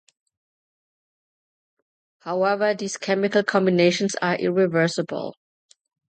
However, these chemical combinations are irreversible.